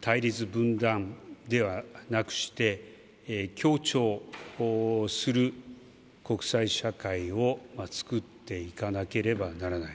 対立、分断ではなくして、協調する国際社会を作っていかなければならない。